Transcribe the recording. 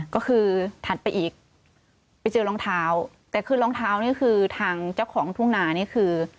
ก็คือถัดไปอีกไปเจอรองเท้าแต่คือรองเท้านี่คือทางเจ้าของทุ่งนานี่คือ